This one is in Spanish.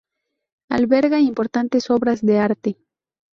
Alberga importantes obras de arte.